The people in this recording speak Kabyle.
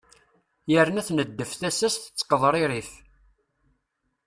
yerna tneddef tasa-s tettqeḍririf